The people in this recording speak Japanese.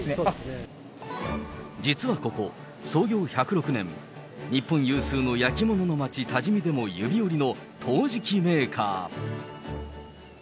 実はここ、創業１０６年、日本有数の焼き物の町、多治見でも指折りの陶磁器メーカー。